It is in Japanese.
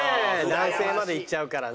男性までいっちゃうからね。